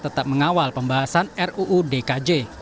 tetap mengawal pembahasan ruu dkj